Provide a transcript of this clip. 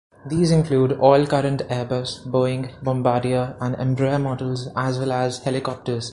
These include all current Airbus, Boeing, Bombardier and Embraer models as well as Helicopters.